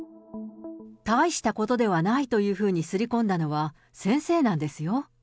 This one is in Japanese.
大したことではないというふうに刷り込んだのは、先生なんですよ。